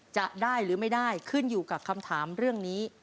จะได้หรือไม่ได้ขึ้นอยู่กับคำถามเรื่องนี้